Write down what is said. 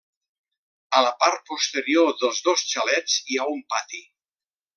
A la part posterior dels dos xalets hi ha pati.